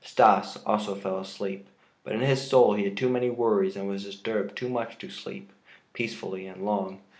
Stas also fell asleep, but in his soul he had too many worries and was disturbed too much to sleep peacefully and long.